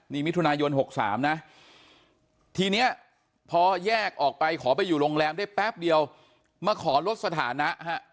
นี่มิถุนายน๖๓นะทีนี้พอแยกออกไปขอไปอยู่โรงแรมได้แป๊บเดียวมาขอลดสถานะฮะ